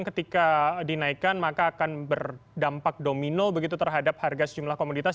ketika dinaikkan maka akan berdampak domino begitu terhadap harga sejumlah komoditas